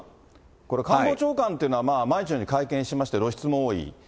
これ、官房長官というのは毎日のように会見しまして、露出も多い。